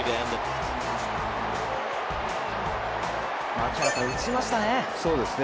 槙原さん、打ちましたね。